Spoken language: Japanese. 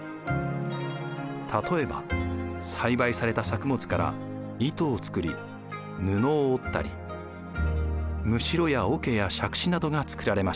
例えば栽培された作物から糸を作り布を織ったりむしろやおけやしゃくしなどが作られました。